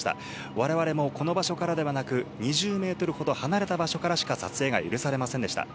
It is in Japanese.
われわれもこの場所からではなく、２０メートルほど離れた場所からでしか撮影が許されませんでした。